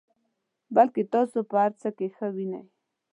بلکې تاسو په هر څه کې ښه وینئ.